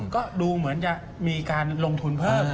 ก็ดูเหมือนจะมีการลงทุนเพิ่ม